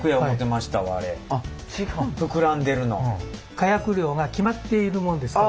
火薬量が決まっているもんですから。